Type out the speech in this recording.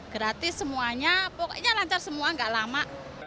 gratis semuanya pokoknya lancar semua gak lama